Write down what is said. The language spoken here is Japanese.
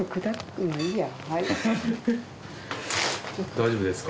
大丈夫ですか？